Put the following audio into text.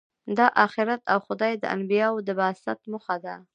دا آخرت او خدای د انبیا د بعثت موخه ده.